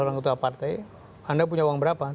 orang ketua partai anda punya uang berapa